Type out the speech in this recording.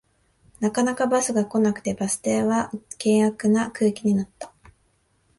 なかなかバスが来なくてバス停は険悪な空気になった